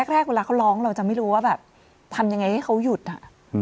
แรกเวลาเขาร้องเราจะไม่รู้ว่าแบบทำยังไงให้เขาหยุดอ่ะ